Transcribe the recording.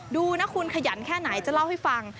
ดูนะคุณขยันแค่ไหนจะเล่าให้ฟัง